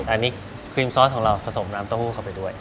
อันนี้ครีมซอสของเราผสมน้ำเต้าหู้เข้าไปด้วย